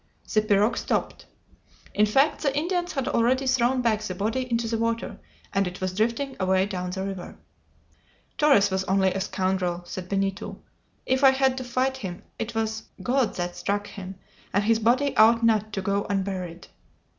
The pirogue stopped. In fact, the Indians had already thrown back the body into the water, and it was drifting away down the river. "Torres was only a scoundrel," said Benito. "If I had to fight him, it was God that struck him, and his body ought not to go unburied!"